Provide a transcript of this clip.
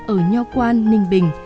ở nho quang ninh bình